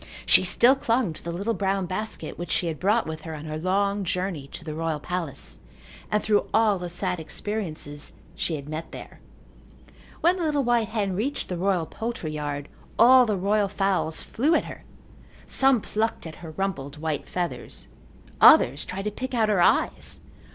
She still clung to the little brown basket which she had brought with her on her long journey to the royal palace and through all the sad experiences she had met there. When the little white hen reached the royal poultry yard all the royal fowls flew at her. Some plucked at her rumpled white feathers. Others tried to pick out her eyes.